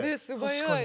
確かに。